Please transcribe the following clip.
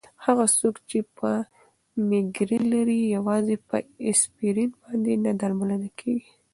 هغه څوک چې مېګرین لري، یوازې په اسپرین باندې نه درملنه کېږي.